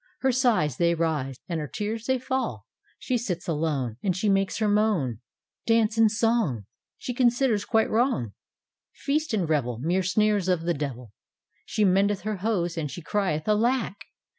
Her sighs they rise, and her tears they falL She sits alone, And she makes her moan; Dance and song,' She considers quite wrong; Feast and revel Mere snares of the devil; She mendeth her hose, and she crie^ 'Alack!